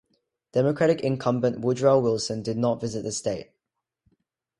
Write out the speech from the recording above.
Democratic incumbent Woodrow Wilson did not visit the state.